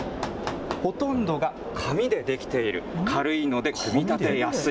ほとんどが紙で出来ている、軽いので組み立てやすい。